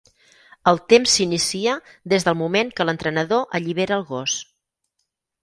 El temps s'inicia des del moment que l'entrenador allibera el gos.